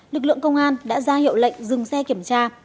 lực lượng công an đã ra hiệu lệnh dừng xe kiểm tra